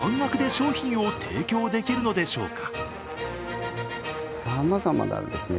では、なぜ半額で商品を提供できるのでしょうか？